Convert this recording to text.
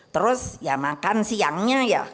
terus ya makan siangnya ya